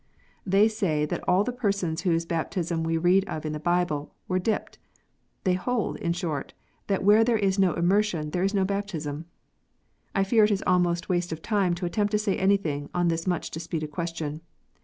They say that all the persons whose baptism we read of in the Bible were "dipped." They hold, in short, that where there is no immersion there is no baptism. I fear it is almost waste of time to attempt to say anything on this much disputed question.